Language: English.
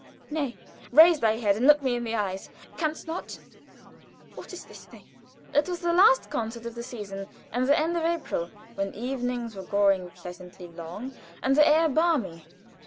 Nay, raise thy head and look me in the eyes! Canst not? What is this thing?" It was the last concert of the season, and the end of April, when evenings were growing pleasantly long and the air balmy.